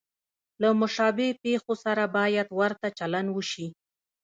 له مشابه پېښو سره باید ورته چلند وشي.